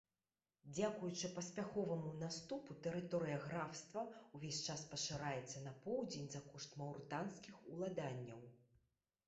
Дзякуючы паспяховаму наступу, тэрыторыя графства ўвесь час пашыраецца на поўдзень за кошт маўрытанскіх уладанняў.